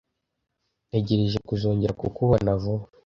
Ntegereje kuzongera kukubona vuba.